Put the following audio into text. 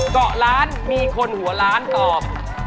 เกาะล้านมีคนหัวล้านตอบ